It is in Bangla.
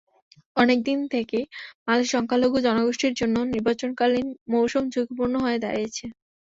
অনেক দিন থেকেই বাংলাদেশে সংখ্যালঘু জনগোষ্ঠীর জন্য নির্বাচনকালীন মৌসুম ঝুঁকিপূর্ণ হয়ে দাঁড়িয়েছে।